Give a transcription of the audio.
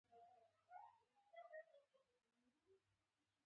لار کې ولوید طبیعت ورته په قار شو.